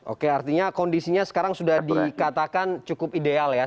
oke artinya kondisinya sekarang sudah dikatakan cukup ideal ya